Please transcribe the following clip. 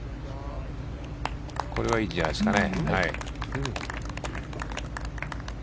これはいいんじゃないですかね。